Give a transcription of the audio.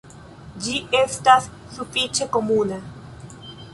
Ĝi estas sufiĉe komuna.